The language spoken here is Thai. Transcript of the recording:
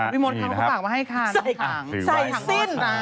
วิมวลเขาปากมาให้ค่ะน้องถังออลสตาร์ใส่สิ้น